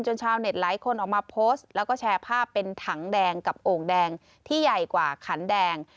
ชาวเน็ตหลายคนออกมาโพสต์แล้วก็แชร์ภาพเป็นถังแดงกับโอ่งแดงที่ใหญ่กว่าขันแดง